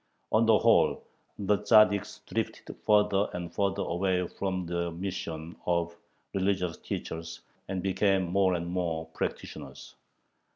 On the whole, the Tzaddiks drifted further and further away from their mission of religious teachers, and became more and more "practitioners."